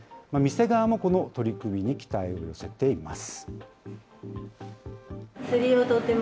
店側もこの取り組みに期待を寄せています。